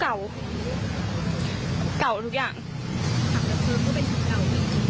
ถังรับคืนหรือถังเก่า